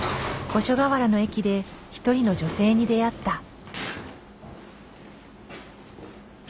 五所川原の駅で一人の女性に出会った。